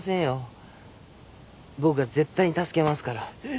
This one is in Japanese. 僕が絶対に助けますから。